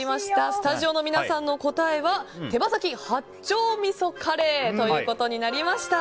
スタジオの皆さんの答えは手羽先八丁味噌カレーということになりました。